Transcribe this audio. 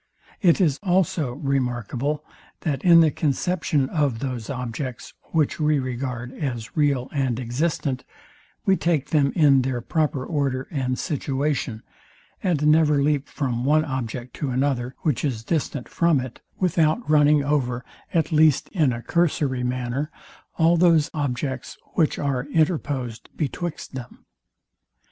It is also remarkable, that in the conception of those objects, which we regard as real and existent, we take them in their proper order and situation, and never leap from one object to another, which is distant from it, without running over, at least in a cursory manner, all those objects, which are interposed betwixt them.